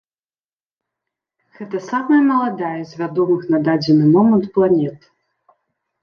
Гэта самая маладая з вядомых на дадзены момант планет.